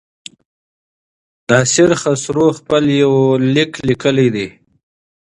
ناصر خسرو خپل يونليک ليکلی دی.